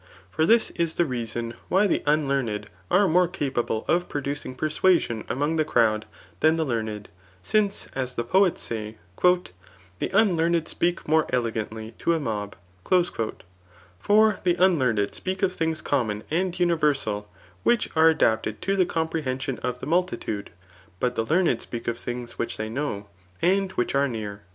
For this is the leuon why:the unldaraed aie mose capable, of prodttdi^ persuasiiHi among the cfovd, than the karned, since as the poets say; *^ The unkamrd ^peak more eiegmitiy to a mob.'' For the unltsacMd speak of things common and universal,, [which zte adapted to the xomprehoision of the mukitnde;} hot the leamed speak of things which they know^ and vrhich are near.